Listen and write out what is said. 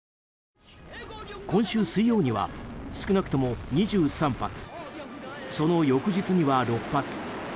今週水曜には少なくとも２３発その翌日には６発。